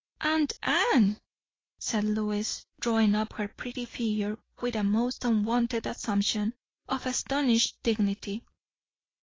"Aunt Anne!" said Lois, drawing up her pretty figure with a most unwonted assumption of astonished dignity.